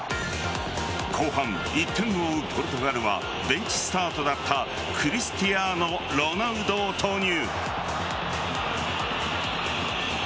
後半、１点を追うポルトガルはベンチスタートだったクリスティアーノロナウドを投入。